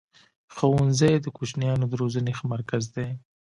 ښوونځی د کوچنیانو د روزني ښه مرکز دی.